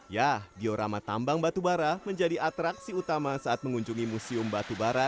ya diorama tambang batubara menjadi atraksi utama saat mengunjungi museum batubara